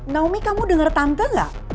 naomi kamu denger tante gak